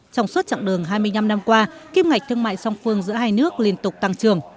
trong suốt chặng đường hai mươi năm năm qua kim ngạch thương mại song phương giữa hai nước liên tục tăng trưởng